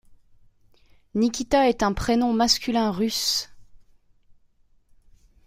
Nikita est un prénom masculin russe.